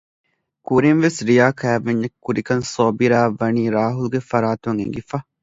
ކުރިން ވެސް ރިޔާ ކައިވެންޏެއް ކުރިކަން ޞާބިރާއަށް ވަނީ ރާހުލްގެ ފަރާތުން އެނގިފަ